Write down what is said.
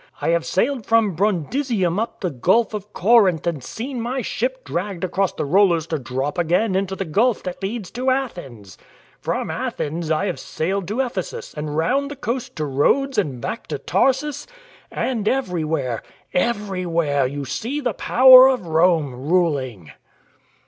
I have sailed from Brundisium ^ up the Gulf of Corinth and seen my ship dragged across the rollers to drop again into the gulf that leads to Athens. From Athens I have sailed to Ephesus and round the coast to Rhodes and back to Tarsus. And everywhere — everywhere you sec the power of Rome ruling."